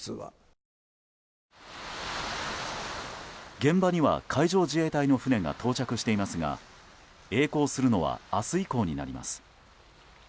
現場には海上自衛隊の船が到着していますがえい航するのは明日以降になります。